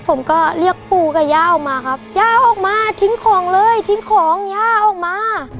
ผมก็เรียกปู่กับย่าออกมาครับย่าออกมาทิ้งของเลยทิ้งของย่าออกมา